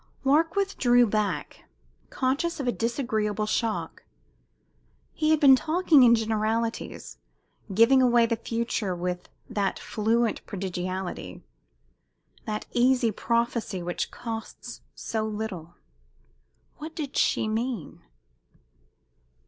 Warkworth drew back, conscious of a disagreeable shock. He had been talking in generalities, giving away the future with that fluent prodigality, that easy prophecy which costs so little. What did she mean?